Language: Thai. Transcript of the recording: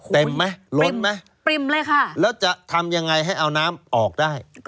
เต็มไหมล้นไหมปริ่มเลยค่ะแล้วจะทำยังไงให้เอาน้ำออกได้